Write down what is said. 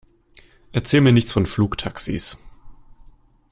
Erzähl mir nichts von Flugtaxis!